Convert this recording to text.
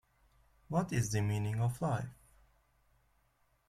What is the meaning of life?